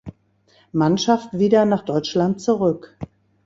Mannschaft wieder nach Deutschland zurück.